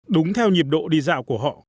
đúng theo nhịp độ đi dạo của họ